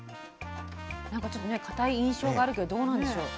なんかちょっとねかたい印象があるけどどうなんでしょう？